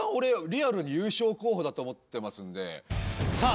リアルに優勝候補だと思ってますんでさあ